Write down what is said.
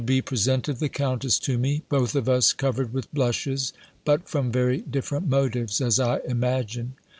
B. presented the countess to me, both of us covered with blushes; but from very different motives, as I imagine.